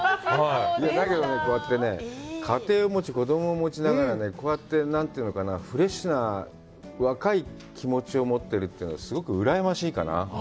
だけど、こうやって家庭を持ち、子供を持ちながらね、こうやってフレッシュな若い気持ちを持ってるというのはすごくうらやましいかなぁ。